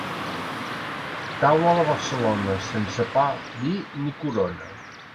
Taula de Barcelona, sense pa, vi, ni corona.